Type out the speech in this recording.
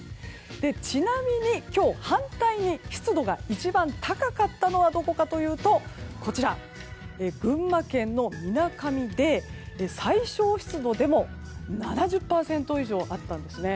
ちなみに今日、反対に湿度が一番高かったのはどこかというと群馬県の、みなかみで最小湿度でも７０％以上あったんですね。